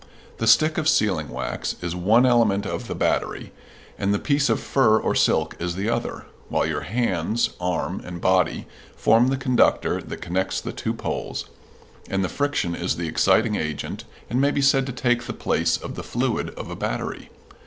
The stick of sealing wax is one element of the battery, and the piece of fur or silk is the other, while your hands, arm and body form the conductor that connects the two poles, and the friction is the exciting agent and may be said to take the place of the fluid of a battery.